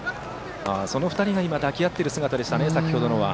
その２人が抱き合っている姿でしたね、先程のは。